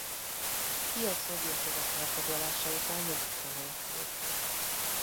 Kijev szovjet-orosz elfoglalása után Nyugatra menekült.